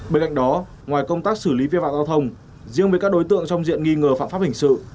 bên cạnh đó ngoài công tác xử lý vi phạm giao thông riêng với các đối tượng trong diện nghi ngờ phạm pháp hình sự